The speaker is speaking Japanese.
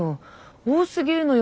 多すぎるのよ